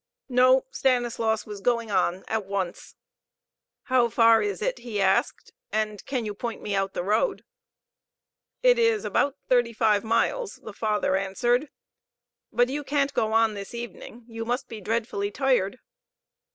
No, Stanislaus was going on at once. "How far is it?" he asked. "And can you point me out the road?" "It is about thirty five miles," the Father answered. "But you can't go on this evening. You must be dreadfully tired."